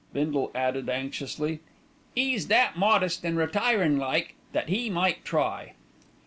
Bindle added anxiously. "'E's that modest an' retirin' like, that e' might try."